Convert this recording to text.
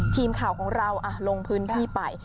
ทีมข่าวของเราลงพื้นที่ไป